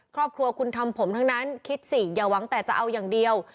ครอบครัวคุณทำผมทั้งนั้นคิดสิอย่าหวังแต่จะเอาอย่างเดียว